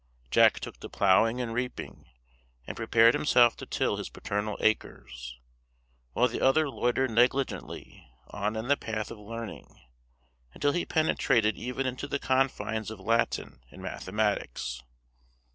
Jack took to ploughing and reaping, and prepared himself to till his paternal acres; while the other loitered negligently on in the path of learning, until he penetrated even into the confines of Latin and mathematics.